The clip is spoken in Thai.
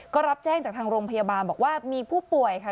ก็รับแจ้งจากทางโรงพยาบาลบอกว่ามีผู้ป่วยค่ะ